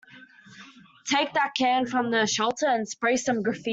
Take that can from the shelter and spray some graffiti.